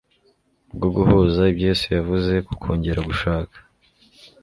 bwo guhuza ibyo yesu yavuze ku kongera gushaka